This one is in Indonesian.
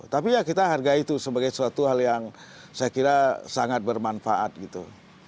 tapi ya kita hargai itu sebagai suatu hal yang saya kira sangat bermanfaat gitu